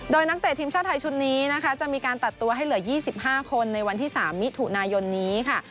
โดยนักเตะทีมชาติไทยชุดนี้นะคะจะมีการตัดตัวให้เหลือ๒๕คนในวันที่๓มิถุนายนนี้ค่ะ